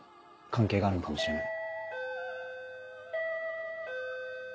関係があるのかもしれない。